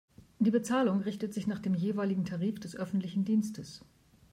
Die Bezahlung richtet sich nach dem jeweiligen Tarif des öffentlichen Dienstes.